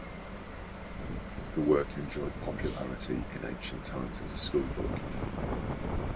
The work enjoyed popularity in ancient times as a schoolbook.